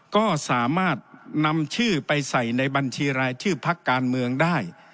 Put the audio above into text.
ก็สามารถนำชื่อไปใส่ในบัญชีรายชื่อพักการเมืองได้